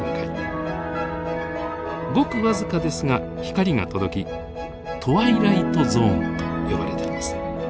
ごく僅かですが光が届きトワイライトゾーンと呼ばれています。